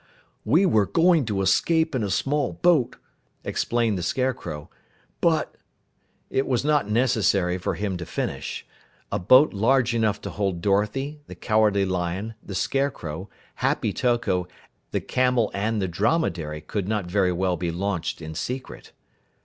"We were going to escape in a small boat," explained the Scarecrow, "but " It was not necessary for him to finish. A boat large enough to hold Dorothy, the Cowardly Lion, the Scarecrow, Happy Toko, the camel and the dromedary could not very well be launched in secret.